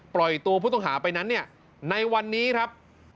ปล่อยตัวผู้ตมหาไปนั้นในวันนี้ครับ